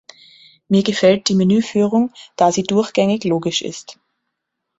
Mir gefällt die Menüführung, da sie durchgängig logisch ist.